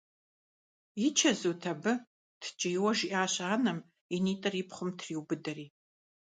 И чэзут абы?! – ткӀийуэ жиӀащ анэм, и нитӀыр и пхъум триубыдэри.